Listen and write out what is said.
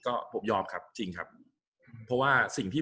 กับการสตรีมเมอร์หรือการทำอะไรอย่างเงี้ย